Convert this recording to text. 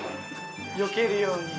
よけるように。